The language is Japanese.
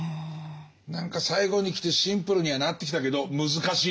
何か最後にきてシンプルにはなってきたけど難しいね。